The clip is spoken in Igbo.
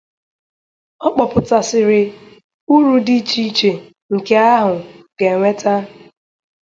Ọ kpọpụtasịrị uru dị icheiche nke ahụ ga-ewèta